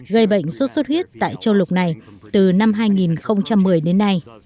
gây bệnh sốt sốt huyết tại châu lục này từ năm hai nghìn một mươi đến nay